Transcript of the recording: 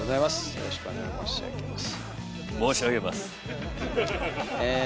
よろしくお願いします。